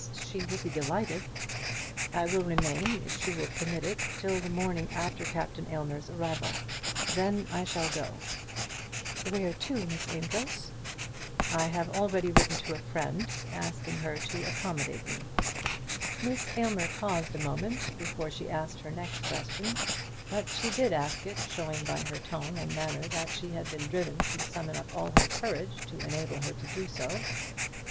She will be delighted." "I will remain, if she will permit it, till the morning after Captain Aylmer's arrival. Then I shall go." "Where to, Miss Amedroz?" "I have already written to a friend, asking her to receive me." Miss Aylmer paused a moment before she asked her next question; but she did ask it, showing by her tone and manner that she had been driven to summon up all her courage to enable her to do so.